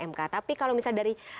mk tapi kalau misalnya dari